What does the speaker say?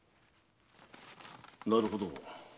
なるほど。